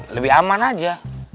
lebih aman aja